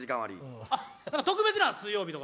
特別な水曜日とか？